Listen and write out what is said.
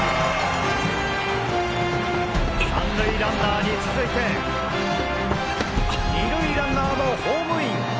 ３塁ランナーに続いて２塁ランナーもホームイン！